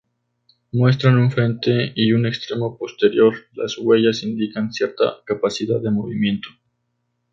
Muestran un frente y un extremo posterior, las huellas indican cierta capacidad de movimiento.